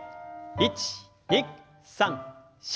１２３４。